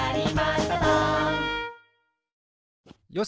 よし！